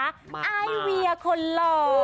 ไอเวียคนหล่อ